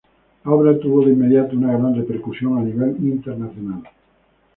La obra tuvo de inmediato una gran repercusión a nivel internacional.